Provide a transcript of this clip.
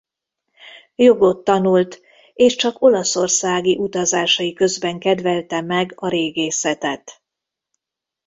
Jogot tanult és csak olaszországi utazásai közben kedvelte meg a régészetet.